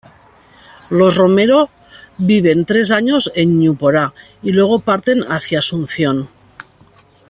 Los Romero viven tres años en Ñu-Porá y luego parten hacia Asunción.